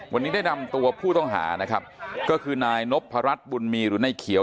วันนี้ได้นำตัวผู้ต้องหานะครับก็คือนายนพรัชบุญมีหรือนายเขียว